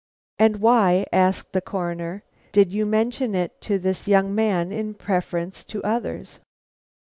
"And why," asked the Coroner, "did you mention it to this young man in preference to others?"